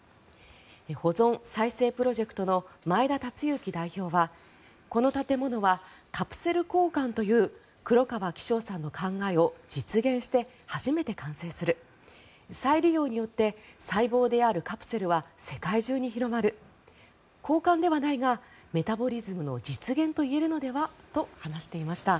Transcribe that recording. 保存・再生プロジェクトの前田達之代表はこの建物はカプセル交換という黒川紀章さんの考えを実現して初めて完成する再利用によって細胞であるカプセルは世界中に広まる交換ではないがメタボリズムの実現といえるのではと話していました。